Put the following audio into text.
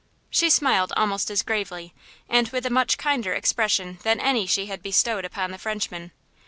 She smiled almost as gravely, and with a much kinder expression than any she had bestowed upon the Frenchman.